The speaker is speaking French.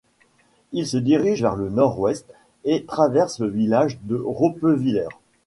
Il se dirige vers le nord-ouest et traverse le village de Roppeviller.